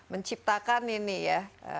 menciptakan ini ya